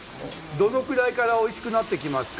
どのくらいからおいしくなってきますか？